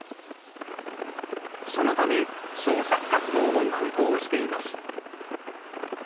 そのため、捜索活動も難航しています。